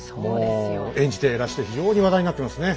もう演じてらして非常に話題になってますね。